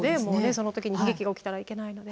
その時に悲劇が起きたらいけないので。